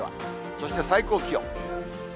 そして最高気温。